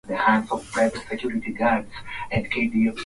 ya kihistoria ya Waturuki Meskheti na Javakheti